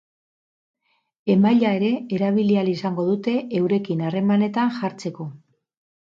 E-maila ere erabili ahal izango dute eurekin harremanetan jartzeko.